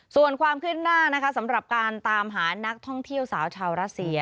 ส่วนความขึ้นหน้านะคะสำหรับการตามหานักท่องเที่ยวสาวชาวรัสเซีย